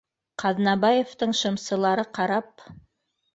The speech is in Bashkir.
Ҡаҙнабаевтың шымсылары ҡарап